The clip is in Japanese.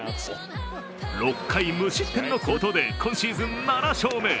６回無失点の好投で今シーズン７勝目。